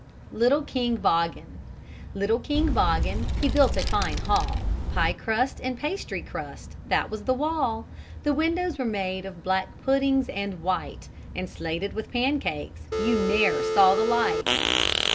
LITTLE KING BOGGEN Little King Boggen, he built a fine hall, Pie crust and pastry crust, that was the wall; The windows were made of black puddings and white, And slated with pan cakes, you ne'er saw the like!